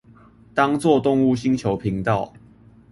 當作動物星球頻道